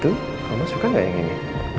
tuh mama suka nggak yang ini